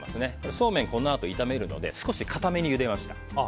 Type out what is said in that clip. そうめん、このあと炒めるので少し硬めにゆでました。